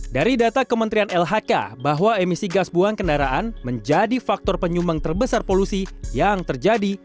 dari data kementerian lhk bahwa emisi gas buang kendaraan menjadi faktor penyumbang terbesar polusi yang terjadi